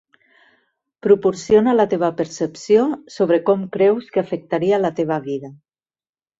Proporciona la teva percepció sobre com creus que afectaria la teva vida.